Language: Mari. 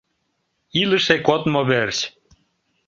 Илыше кодмо верч!